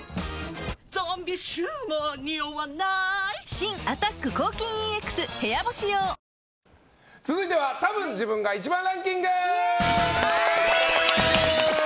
新「アタック抗菌ＥＸ部屋干し用」続いてはたぶん自分が１番ランキング！